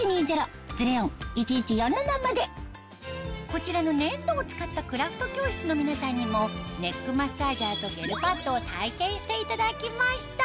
こちらの粘土を使ったクラフト教室の皆さんにもネックマッサージャーとゲルパッドを体験していただきました・